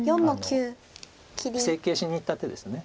整形しにいった手です。